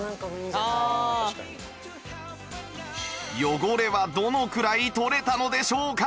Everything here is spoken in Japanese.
汚れはどのくらいとれたのでしょうか？